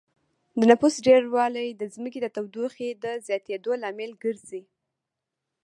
د نفوس ډېروالی د ځمکې د تودوخې د زياتېدو لامل ګرځي